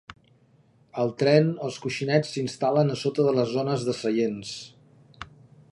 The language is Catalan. Al tren, els coixinets s'instal·len a sota de les zones de seients.